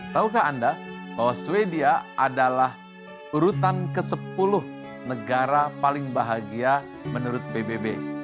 taukah anda bahwa sweden adalah urutan ke sepuluh negara paling bahagia menurut pbb